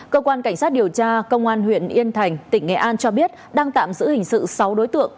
cơ quan cảnh sát điều tra công an huyện yên thành tỉnh nghệ an cho biết đang tạm giữ hình sự sáu đối tượng